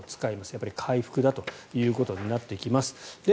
やっぱり回復だということになってきます。